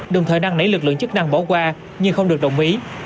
đồng thời năng nảy lực lượng chức năng bỏ qua nhưng không được đồng ý